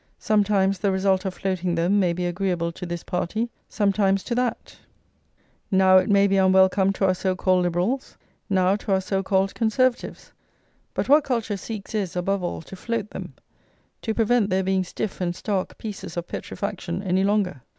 Sometimes the result of floating them may be agreeable to this party, sometimes to that; now it may be unwelcome to our so called Liberals, now to our so called Conservatives; but what culture seeks is, above all, to float them, to prevent their being stiff and stark pieces of petrifaction any longer.